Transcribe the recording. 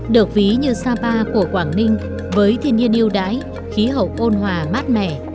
được ví như sapa của quảng ninh với thiên nhiên yêu đái khí hậu ôn hòa mát mẻ